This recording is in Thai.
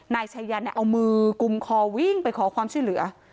นายชายันเอามือกุมคอวิ่งไปขอความช่วยเหลือ